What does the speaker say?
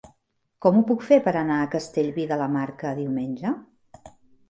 Com ho puc fer per anar a Castellví de la Marca diumenge?